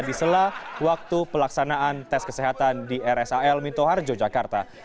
di sela waktu pelaksanaan tes kesehatan di rsal minto harjo jakarta